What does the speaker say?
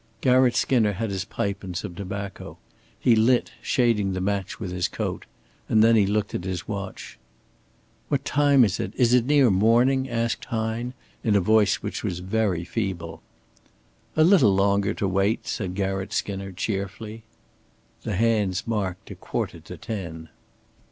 Garratt Skinner had his pipe and some tobacco. He lit, shading the match with his coat; and then he looked at his watch. "What time is it? Is it near morning?" asked Hine, in a voice which was very feeble. "A little longer to wait," said Garratt Skinner, cheerfully. The hands marked a quarter to ten.